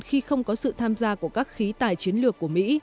khi không có sự tham gia của các khí tài chiến lược của mỹ